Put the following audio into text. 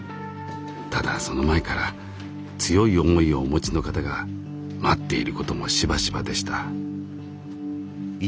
ただその前から強い思いをお持ちの方が待っていることもしばしばでした。